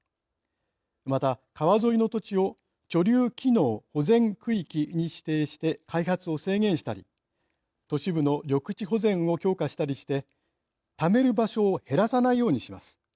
また、川沿いの土地を貯留機能保全区域に指定して開発を制限したり都市部の緑地保全を強化したりしてためる場所を減らさないようにします。